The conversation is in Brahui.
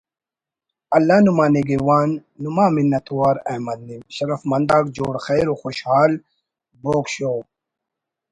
اللہ نما نگہوان نما منت وار احمد نعیم ۔۔۔ شرفندآک جوڑ خیر وشوشحال ’بوگ شو‘